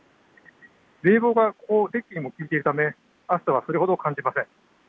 冷房がきいているため暑さはそれほど感じません。